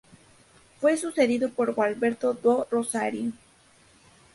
Fue sucedido por Gualberto do Rosário.